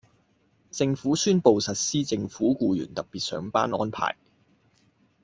政府宣布實施政府僱員特別上班安排